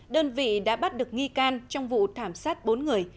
đơn vị đã bắt được nghi can trong vụ thảm sát bốn người